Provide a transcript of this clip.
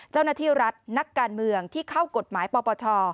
เจ้าหน้าที่รัฐนักการเมืองที่เข้ากฎหมายปปช